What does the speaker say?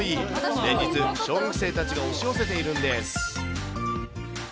連日、小学生たちが押し寄せているんです。